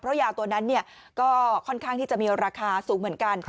เพราะยาตัวนั้นก็ค่อนข้างที่จะมีราคาสูงเหมือนกัน